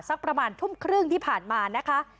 สักประมาณทุ่มครึ่งที่ผ่านมานะคะ